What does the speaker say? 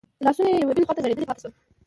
لاسونه يې يوې بلې خواته ځړېدلي پاتې شول.